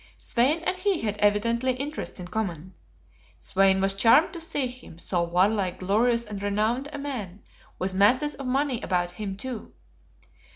Svein and he had evidently interests in common. Svein was charmed to see him, so warlike, glorious and renowned a man, with masses of money about him, too.